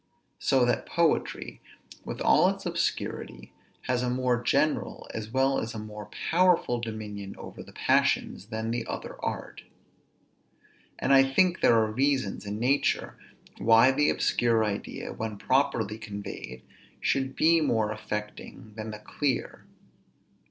So that poetry, with all its obscurity, has a more general, as well as a more powerful dominion over the passions, than the other art. And I think there are reasons in nature, why the obscure idea, when properly conveyed, should be more affecting than the clear.